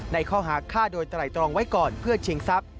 ในข้อหาฆ่าโดยไตรตรองไว้ก่อนเพื่อชิงทรัพย